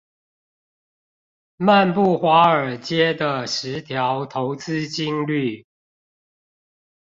漫步華爾街的十條投資金律